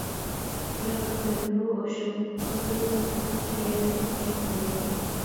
بىر قېتىم بۇ ئوشۇق خوتۇننىڭ كۆكرىكىگە پېتىپ كەتتى.